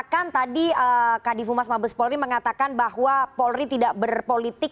mengatakan tadi kak divu mas mabes polri mengatakan bahwa polri tidak berpolitik